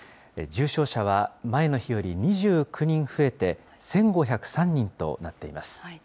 重症者は前の日より２９人増えて、１５０３人となっています。